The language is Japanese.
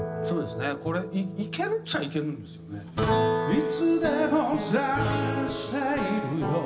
「いつでも捜しているよ